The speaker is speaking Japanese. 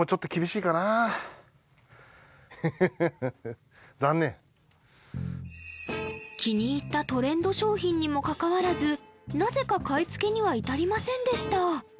うん気に入ったトレンド商品にもかかわらずなぜか買い付けには至りませんでした